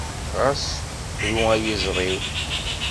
Ɣas ru ay iẓri-w.